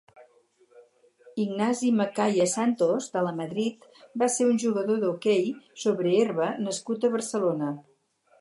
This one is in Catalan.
Ignasi Macaya Santos de Lamadrid va ser un jugador d'hoquei sobre herba nascut a Barcelona.